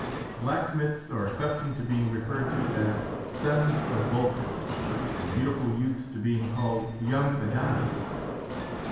Blacksmiths are accustomed to being referred to as "sons of Vulcan," and beautiful youths to being called "young Adonises."